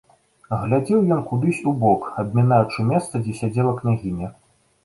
Глядзеў ён кудысь убок, абмінаючы месца, дзе сядзела княгіня.